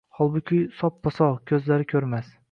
Holbuki soppa-sog’, ko’zlari ko’rmas.